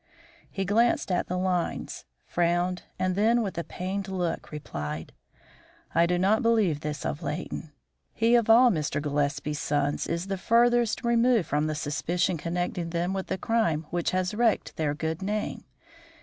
He glanced at the lines, frowned, and then with a pained look, replied: "I do not believe this of Leighton. He of all Mr. Gillespie's sons is the furthest removed from the suspicion connecting them with the crime which has wrecked their good name.